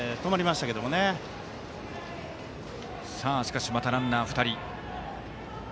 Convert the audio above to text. しかし、またランナー２人。